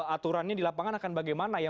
aturannya di lapangan akan bagaimana ya